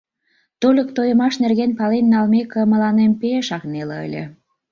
Тольык тойымаш нерген пален налмеке, мыланем пешак неле ыле.